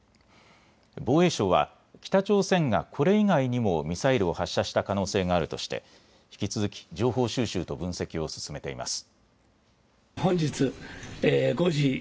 防衛省は北朝鮮がこれ以外にもミサイルを発射した可能性があるとして引き続き情報収集と分析を進めています。